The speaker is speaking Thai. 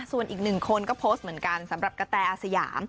ส่วนอีกหนึ่งคนก็โพสต์เหมือนกันสำหรับกระแตอาสยาม